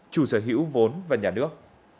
chủ sở hữu vốn và nhà nước